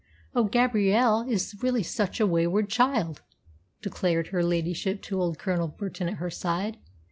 "Oh, Gabrielle is really such a wayward child!" declared her ladyship to old Colonel Burton at her side.